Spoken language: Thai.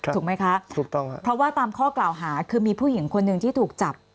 ถูกไหมคะถูกต้องครับเพราะว่าตามข้อกล่าวหาคือมีผู้หญิงคนหนึ่งที่ถูกจับ